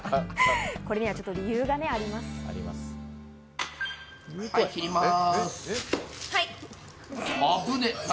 これにはちょっと理由があります。